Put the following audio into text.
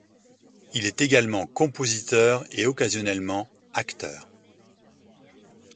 Il est également compositeur et occasionnellement acteur.